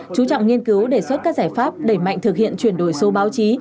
chú trọng nghiên cứu đề xuất các giải pháp đẩy mạnh thực hiện chuyển đổi số báo chí